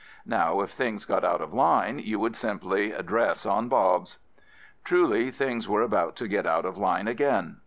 Now if things got out of line, you would simply "dress on Bobs." Truly, things were about to get out of line again.